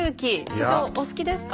所長お好きですか？